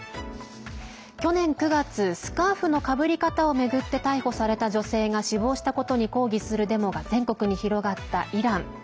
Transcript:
去年９月スカーフのかぶり方を巡って逮捕された女性が死亡したことに抗議するデモが全国に広がったイラン。